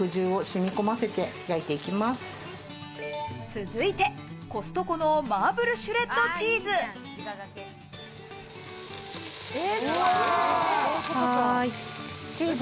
続いて、コストコのマーブルシュレッドチーズ。